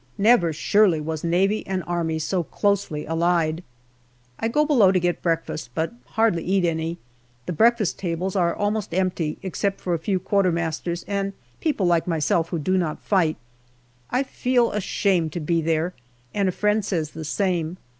Never, surely, was Navy and Army so closely allied. I go below to get breakfast, but hardly eat any. The breakfast tables are almost empty, except for a few Quarter masters and people like myself who do not fight. I feel ashamed to be there, and a friend says the same.